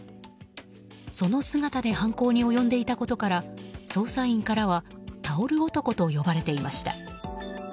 その姿で犯行に及んでいたことから捜査員からはタオル男と呼ばれていました。